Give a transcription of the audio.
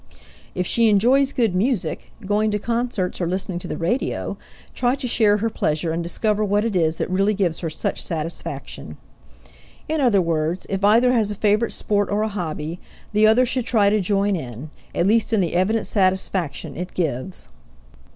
If she enjoys good music going to concerts or listening to the radio try to share her pleasure and discover what it is that really gives her such satisfaction. In other words, if either has a favorite sport or a hobby, the other should try to join in at least in the evident satisfaction it gives.